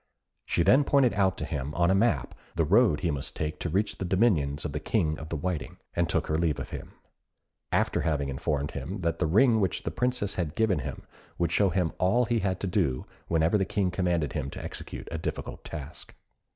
She then pointed out to him on a map the road he must take to reach the dominions of the King of the Whiting; and took her leave of him, after having informed him that the ring which the Princess had given him would show him all he had to do whenever the King commanded him to execute a difficult task.